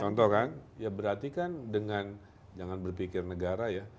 contoh kan ya berarti kan dengan jangan berpikir negara ya